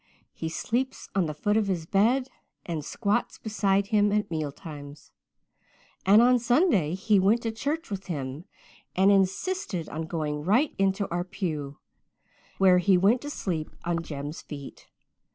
He sleeps on the foot of his bed and squats beside him at meal times. And on Sunday he went to church with him and insisted on going right into our pew, where he went to sleep on Jem's feet.